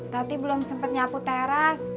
tati belum sempet nyapu teras